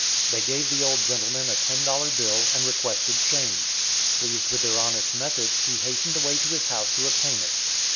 They gave the old gentleman a ten dollar bill and requested change. Pleased with their honest method he hastened away to his house to obtain it.